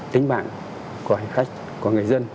tính mạng của hành khách của người dân